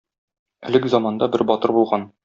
Элек заманда бер батыр булган.